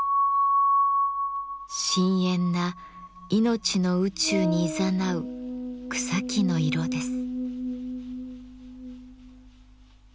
深えんないのちの宇宙にいざなう草木の色です。